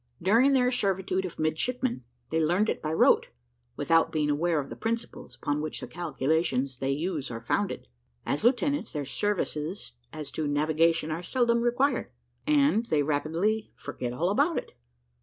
During their servitude of midshipmen, they learn it by rote, without being aware of the principles upon which the calculations they use are founded. As lieutenants, their services as to navigation are seldom required, and they rapidly forget all about it.